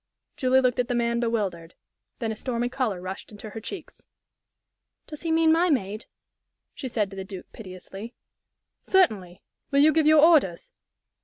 Julie looked at the man, bewildered. Then a stormy color rushed into her cheeks. "Does he mean my maid?" she said to the Duke, piteously. "Certainly. Will you give your orders?"